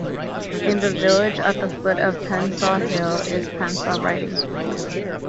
In the village, at the foot of Penshaw Hill, is Penshaw Riding School.